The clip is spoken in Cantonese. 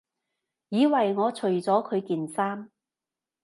以為我除咗佢件衫